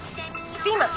ピーマン。